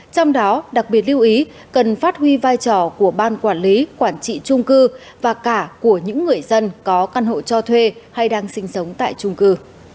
trong đó đặc biệt lưu ý cần phát huy vai trò của ban quản lý quản trị trung cư và cả của những người dân có căn hộ cho thuê hay đang sinh sống tại trung cư